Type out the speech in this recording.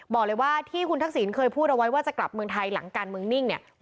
บอกเลยว่าที่คุณทักษิณเคยพูดเอาไว้ว่าจะกลับเมืองไทยหลังการเมืองนิ่งเนี่ย